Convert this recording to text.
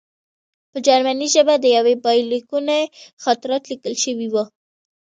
په جرمني ژبه د یوه بایلونکي خاطرات لیکل شوي وو